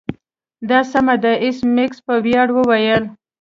دا سمه ده ایس میکس په ویاړ وویل